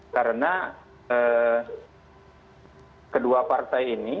karena kedua partai ini